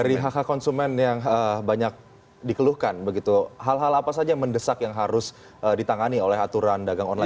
dari hak hak konsumen yang banyak dikeluhkan begitu hal hal apa saja yang mendesak yang harus ditangani oleh aturan dagang online